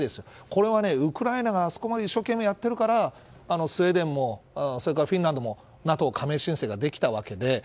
それはウクライナがあそこまで一生懸命やっているから、スウェーデンもそれから、フィンランドもＮＡＴＯ加盟申請ができたわけで。